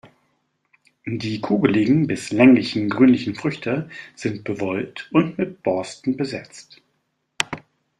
Die kugeligen bis länglichen, grünlichen Früchte sind bewollt und mit Borsten besetzt.